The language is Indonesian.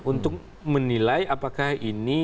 untuk menilai apakah ini